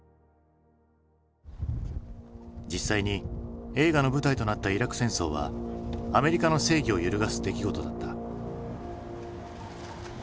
実際に映画の舞台となったイラク戦争はアメリカの正義を揺るがす出来事だった。